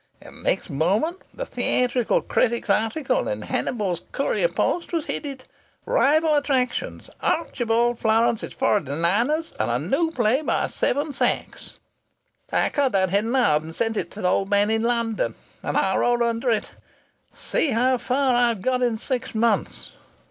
And the next morning the theatrical critic's article in the Hannibal Courier Post was headed: 'Rival attractions. Archibald Florance's "Forty Niners" and new play by Seven Sachs.' I cut that heading out and sent it to the old man in London, and I wrote under it, 'See how far I've got in six months.'